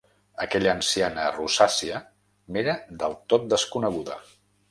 Aquella anciana rosàcia m'era del tot desconeguda.